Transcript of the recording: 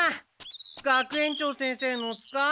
学園長先生のお使い？